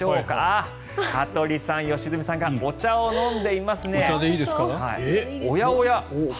あっ、羽鳥さん、良純さんがお茶を飲んでいますね。